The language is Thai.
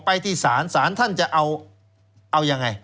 ที่ศาลศาลท่านจะเอายังไง